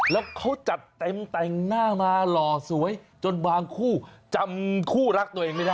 แล้วเขาจัดเต็มแต่งหน้ามาหล่อสวยจนบางคู่จำคู่รักตัวเองไม่ได้